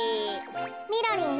みろりんよ。